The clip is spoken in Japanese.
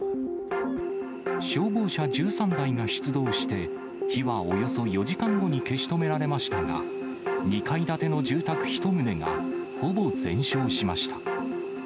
消防車１３台が出動して、火はおよそ４時間後に消し止められましたが、２階建ての住宅１棟がほぼ全焼しました。